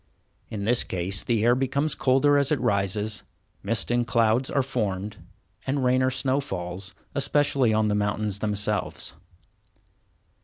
In this case the air becomes colder as it rises, mist and clouds are formed, and rain or snow falls, especially on the mountains themselves.